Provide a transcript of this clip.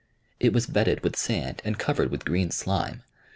It was bedded with sand and covered with green slime.